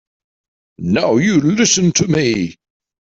Now you listen to me.